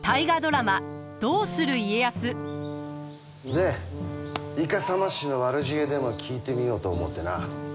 でイカサマ師の悪知恵でも聞いてみようと思うてな。